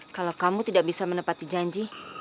kalau kamu tidak bisa menepati janji